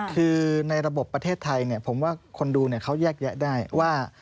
คือในระบบประเทศไทยผมว่าคนดูเขาแยกแยะได้ว่า